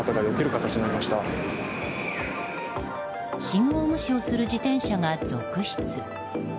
信号無視をする自転車が続出。